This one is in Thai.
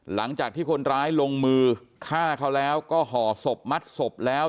หลังจากที่คนร้ายลงมือฆ่าเขาแล้วก็ห่อศพมัดศพแล้ว